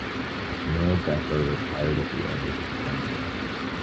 General Decker retired at the end of his tenure.